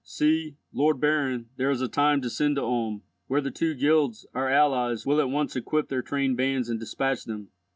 See, lord baron, there is time to send to Ulm, where the two guilds, our allies, will at once equip their trained bands and despatch them.